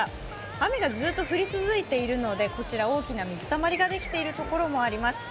雨がずっと降り続いているのでこちら大きな水たまりができているところもあります。